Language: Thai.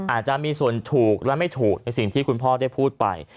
อาจจะมีส่วนถูกและไม่ถูกในสิ่งที่คุณพ่อได้พูดไป